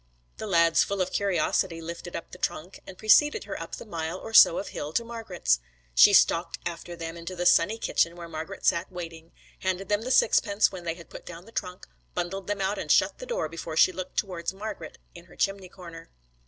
The lads, full of curiosity, lifted up the trunk, and preceded her up the mile or so of hill to Margret's. She stalked after them into the sunny kitchen where Margret sat waiting, handed them the sixpence when they had put down the trunk, bundled them out and shut the door before she looked towards Margret in her chimney corner.